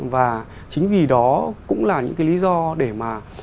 và chính vì đó cũng là những cái lý do để mà